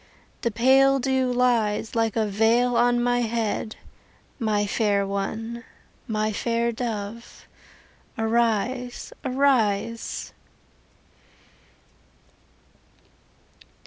The pale dew lies Like a veil on my head. My fair one, my fair dove, Arise, arise!